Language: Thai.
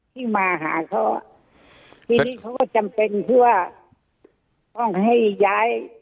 ที่มาหาเขาทีนี้เขาก็จำเป็นที่ว่าต้องให้ย้าย